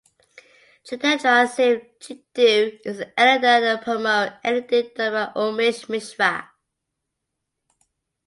Jitendra Singh (Jeetu) is the editor and Promo editing done by Umesh Mishra.